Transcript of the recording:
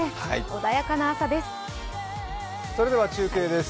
穏やかな朝です。